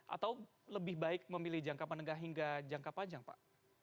atau lebih baik memilih jangka menengah hingga jangka panjang pak